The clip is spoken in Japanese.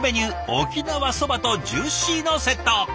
沖縄そばとジューシーのセット。